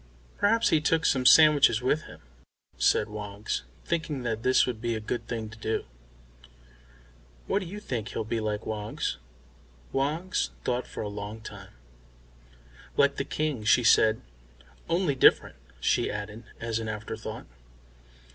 "Perhaps he took some sandwiches with him," said Woggs, thinking that this would be a good thing to do. "What do you think he'll be like, Woggs?" Woggs though for a long time. "Like the King," she said. "Only different," she added, as an afterthought.